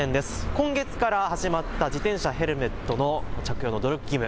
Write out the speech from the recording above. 今月から始まった自転車ヘルメットの着用努力義務。